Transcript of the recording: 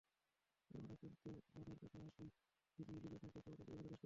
আমরা কিন্তু গানের পাশাপাশি ভিজ্যুয়ালি গানের প্রেক্ষাপটও তুলে ধরার চেষ্টা করি।